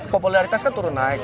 popularitas kan turun naik